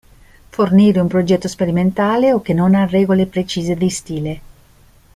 Fornire un progetto sperimentale o che non ha regole precise di stile.